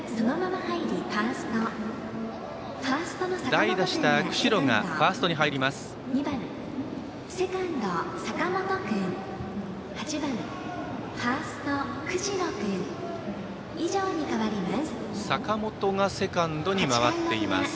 代打した久城がファーストに入ります。